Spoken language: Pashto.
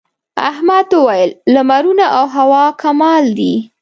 احمد وويل: لمرونه او هوا کمال دي.